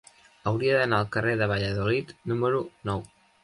Hauria d'anar al carrer de Valladolid número nou.